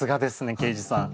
刑事さん。